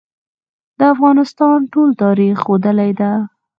د افغانستان ټول تاریخ ښودلې ده.